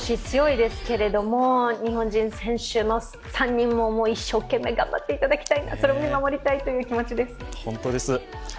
ＲＯＣ、強いですけれども日本人選手の３人も一生懸命、頑張っていただきたい、それを見守りたいという気持ちです。